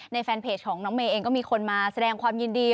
แฟนเพจของน้องเมย์เองก็มีคนมาแสดงความยินดี